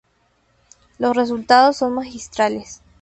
Los resultados son magistrales".